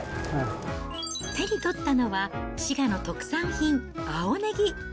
手に取ったのは、滋賀の特産品、青ネギ。